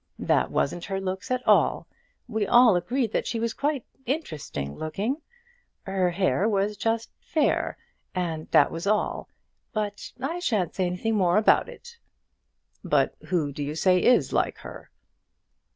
That wasn't her looks at all. We all agreed that she was quite interesting looking. Her hair was just fair, and that was all. But I shan't say anything more about it." "But who do you say is like her?"